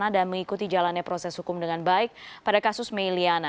dan mengikuti jalannya proses hukum dengan baik pada kasus meilyana